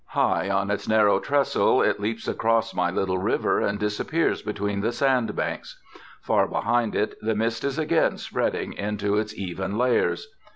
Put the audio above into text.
High on its narrow trestle it leaps across my little river and disappears between the sandbanks. Far behind it the mist is again spreading into its even layers.